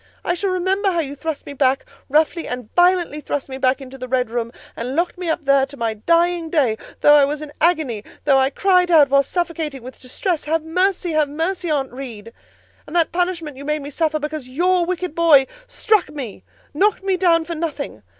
I shall remember how you thrust me back—roughly and violently thrust me back—into the red room, and locked me up there, to my dying day; though I was in agony; though I cried out, while suffocating with distress, 'Have mercy! Have mercy, Aunt Reed!' And that punishment you made me suffer because your wicked boy struck me—knocked me down for nothing.